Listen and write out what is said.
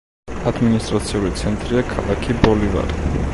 ადმინისტრაციული ცენტრია ქალაქი ბოლივარი.